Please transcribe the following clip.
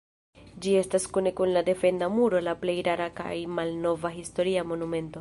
Ĝi estas kune kun la defenda muro la plej rara kaj malnova historia monumento.